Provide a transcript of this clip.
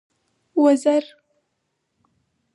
وزر.